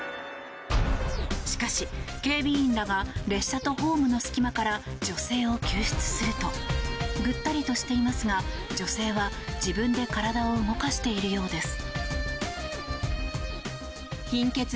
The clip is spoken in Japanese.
しかし、警備員らが列車とホームの隙間から女性を救出するとぐったりとしていますが女性は、自分で体を動かしているようです。